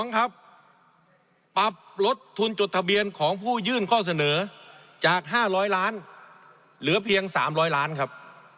ครับปรับลดทุนจดทะเบียนของผู้ยื่นข้อเสนอจาก๕๐๐ล้านเหลือเพียง๓๐๐ล้านครับ